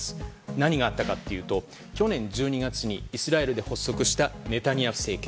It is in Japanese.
何があったのかというと去年１２月にイスラエルで発足したネタニヤフ政権。